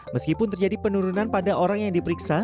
meskipun terjadi penurunan pada orang yang diperiksa